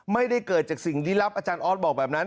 ไม่ได้เกิดจากสิ่งลี้ลับอาจารย์ออสบอกแบบนั้น